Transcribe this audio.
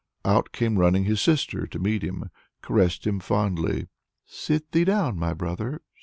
Out came running his sister to meet him, caressed him fondly. "Sit thee down, my brother!"